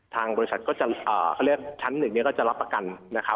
ทางบริษัทก็จะเขาเรียกชั้นหนึ่งเนี่ยก็จะรับประกันนะครับ